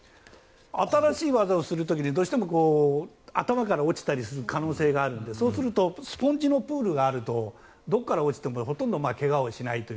新しい技をする時に頭から落ちる可能性があるのでそうするとスポンジのプールがあるとどこから落ちてもほとんど怪我をしない。